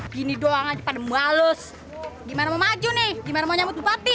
gini doang aja pada mbalus gimana mau maju nih gimana mau nyambut bupati